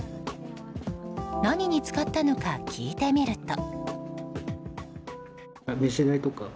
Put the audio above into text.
何に使ったのか聞いてみると。